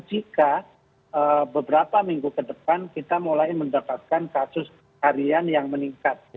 jika beberapa minggu ke depan kita mulai mendapatkan kasus harian yang meningkat